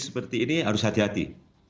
seperti ini harus hati hati